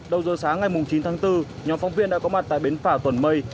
đầu giờ sáng ngày chín tháng bốn nhóm phóng viên đã có mặt tại bến phả tuần mây